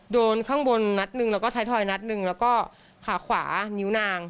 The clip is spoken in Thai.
โดนข้างบนนัดหนึ่งแล้วก็ท้ายทอยนัดหนึ่งแล้วก็ขาขวานิ้วนาง